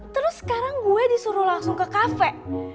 terus sekarang gue disuruh langsung ke kafe